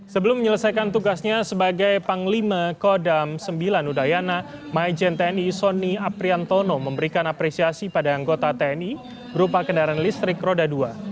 sebelum menyelesaikan tugasnya sebagai panglima kodam sembilan udayana maijen tni sony apriantono memberikan apresiasi pada anggota tni berupa kendaraan listrik roda dua